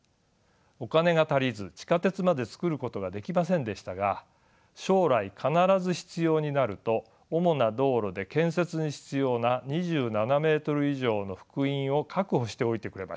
お金が足りず地下鉄まで造ることができませんでしたが将来必ず必要になると主な道路で建設に必要な２７メートル以上の幅員を確保しておいてくれました。